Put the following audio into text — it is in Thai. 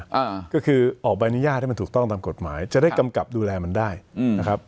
อ่าก็คือออกใบอนุญาตให้มันถูกต้องตามกฎหมายจะได้กำกับดูแลมันได้อืมนะครับ